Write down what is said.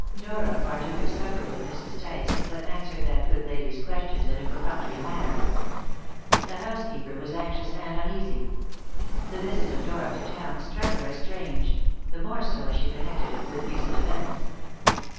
Dora partook of supper with Mrs. Tice, but answered that good lady's questions in a perfunctory manner. The housekeeper was anxious and uneasy. The visit of Dora to town struck her as strange the more so as she connected it with recent events.